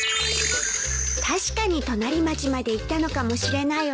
確かに隣町まで行ったのかもしれないわね。